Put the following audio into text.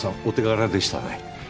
お手柄でしたね。